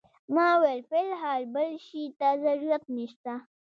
ما وویل فی الحال بل شي ته ضرورت نه شته.